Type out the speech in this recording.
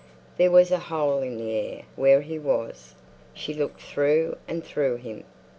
There was a hole in the air where he was. She looked through and through him.